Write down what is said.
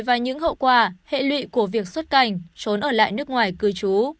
và những hậu quả hệ lụy của việc xuất cảnh trốn ở lại nước ngoài cư trú